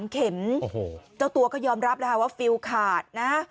๑๓เข็มจ้าตัวก็ยอมรับว่าฟิลขาดนะฮะ